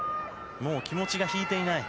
もう気持ちが引いていない。